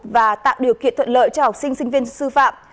và tạo điều kiện thuận lợi cho học sinh sinh viên sư phạm